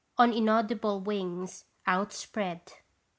On inaudible wings outspread